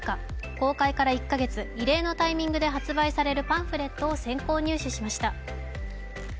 公開から１か月異例のタイミングで発売されるパンフレットを入手しました。